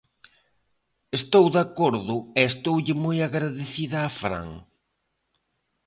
Estou de acordo e estoulle moi agradecida a Fran.